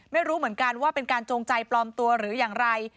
ไม่รู้เหมือนกันว่าเป็นการจงใจปลอมตัวหรืออย่างไร